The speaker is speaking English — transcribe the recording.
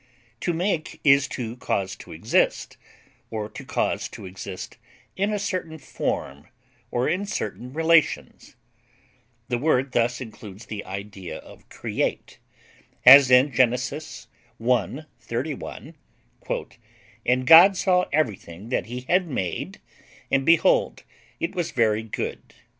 To make is to cause to exist, or to cause to exist in a certain form or in certain relations; the word thus includes the idea of create, as in Gen. i, 31, "And God saw everything that he had made, and, behold, it was very good."